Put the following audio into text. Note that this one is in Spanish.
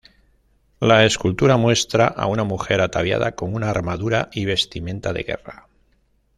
La escultura muestra a una mujer ataviada con una armadura y vestimenta de guerra.